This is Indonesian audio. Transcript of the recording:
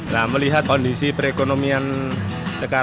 nah melihat kondisi perekonomian sekarang